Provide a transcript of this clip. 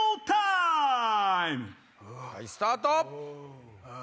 はいスタート！